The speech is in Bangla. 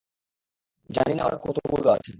জানি না ওরা কতগুলো আছে।